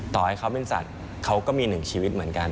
ต่อให้เขาเป็นสัตว์เขาก็มีหนึ่งชีวิตเหมือนกัน